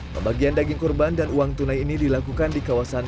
pembagian daging kurban dan uang tunai ini dilakukan di kawasan